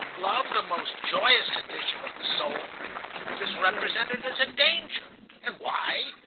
"Love, the most joyous condition of the soul, is represented as a danger. And why?